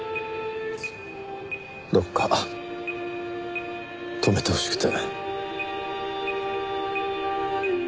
どっか止めてほしくて。